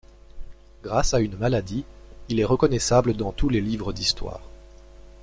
Grâce à une maladie, il est reconnaissable dans tous les livres d'histoire.